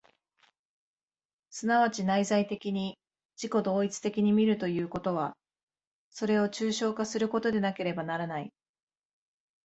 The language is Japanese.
即ち内在的に自己同一的に見るということは、それを抽象化することでなければならない。